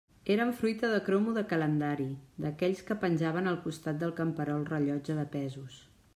Eren fruita de cromo de calendari, d'aquells que penjaven al costat del camperol rellotge de pesos.